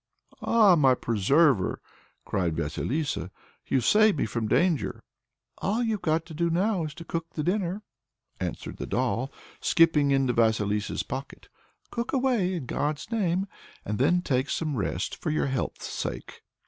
"Ah, my preserver!" cried Vasilissa, "you've saved me from danger!" "All you've got to do now is to cook the dinner," answered the doll, slipping into Vasilissa's pocket. "Cook away, in God's name, and then take some rest for your health's sake!"